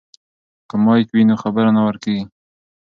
که مایک وي نو خبره نه ورکیږي.